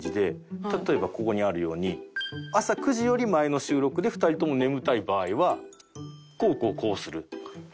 例えばここにあるように朝９時より前の収録で２人とも眠たい場合はこうこうこうする。